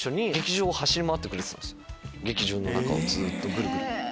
劇場の中をずっとぐるぐる。